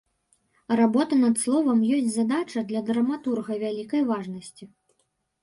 Работа над словам ёсць задача для драматурга вялікай важнасці.